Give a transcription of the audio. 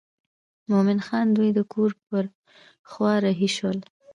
مومن خان دوی د کور پر خوا رهي شول.